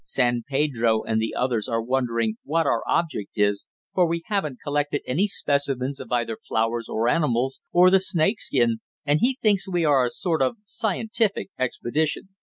San Pedro and the others are wondering what our object is, for we haven't collected any specimens of either flowers or animals, or the snake skin, and he thinks we are a sort of scientific expedition."